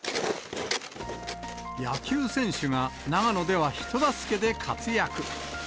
野球選手が長野では人助けで活躍。